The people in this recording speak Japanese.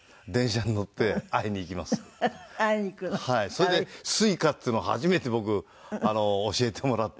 それでＳｕｉｃａっていうのを初めて僕教えてもらって。